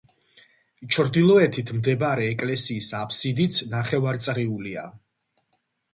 ჩრდილოეთით მდებარე ეკლესიის აფსიდიც ნახევარწრიულია.